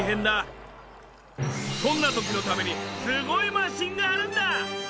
そんな時のためにすごいマシンがあるんだ！